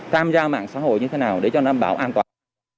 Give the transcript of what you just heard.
tham gia mạng xã hội như thế nào để cho đảm bảo an toàn